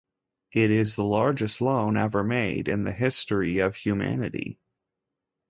It is the largest loan ever made in the history of humanity.